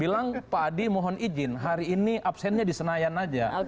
bilang pak adi mohon izin hari ini absennya di senayan aja